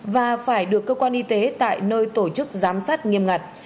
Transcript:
và phải được cơ quan y tế tại nơi tổ chức giám sát nghiêm ngặt